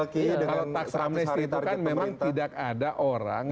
kalau tax amnesty itu kan memang tidak ada orang